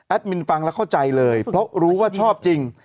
มินฟังแล้วเข้าใจเลยเพราะรู้ว่าชอบจริง